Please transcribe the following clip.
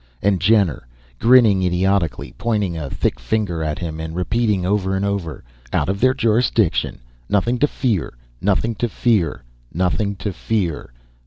And Jenner, grinning idiotically, pointing a thick finger at him and repeating over and over: "Out of their jurisdiction! Nothing to fear! Nothing to fear! Nothing to fear!